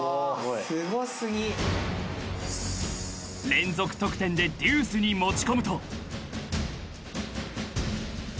［連続得点でデュースに持ち込むと］